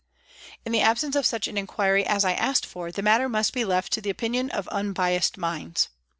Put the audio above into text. " In the absence of such an inquiry as I asked for, the matter must be left to the opinion of unbiassed minds.